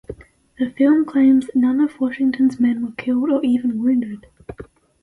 The film claims that none of Washington's men were killed or even wounded.